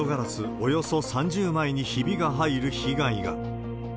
およそ３０枚にひびが入る被害が。